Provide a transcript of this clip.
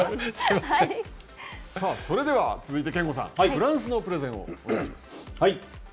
さあそれでは続いて憲剛さん、フランスのプレゼンをお願いします。